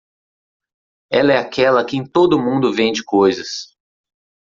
Ela é aquela a quem todo mundo vende coisas.